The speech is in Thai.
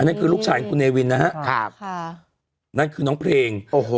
นั่นคือลูกชายของคุณเนวินนะฮะครับค่ะนั่นคือน้องเพลงโอ้โห